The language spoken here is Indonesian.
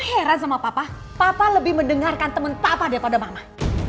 heran sama papa lebih mendengarkan teman papa daripada mama